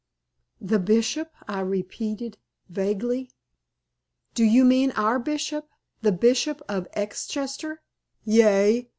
"The Bishop," I repeated, vaguely. "Do you mean our Bishop? The Bishop of Exchester?" "Yea.